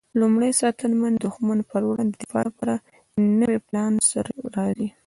لومړی ساتنمن د دښمن پر وړاندې د دفاع لپاره د نوي پلان سره راځي.